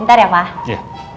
ntar ya pak